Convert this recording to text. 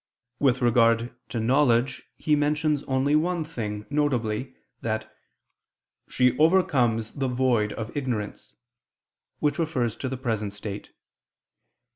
With regard to knowledge he mentions only one thing, viz. that "she overcomes the void of ignorance," which refers to the present state.